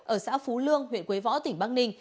ở xã phú lương huyện quế võ tỉnh bắc ninh